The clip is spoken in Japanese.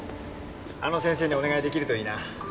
あの先生にお願い出来るといいな。